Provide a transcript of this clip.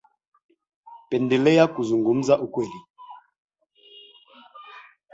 Pendelea kuzungumza ukweli.